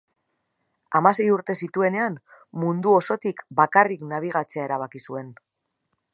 Hamasei urte zituenean mundu osotik bakarrik nabigatzea erabaki zuen.